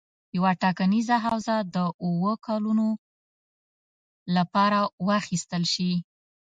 یوه ټاکنیزه حوزه د اووه کلونو لپاره واخیستل شي.